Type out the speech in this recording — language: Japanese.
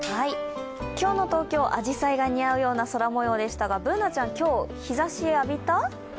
今日の東京、あじさいが似合うような空もようでしたがＢｏｏｎａちゃん、今日、日ざし浴びた？